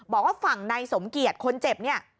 บอกว่าฝั่งนายสมเกียจคนเจ็บเนี่ย